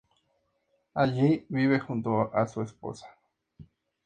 Allí vive junto a su esposa.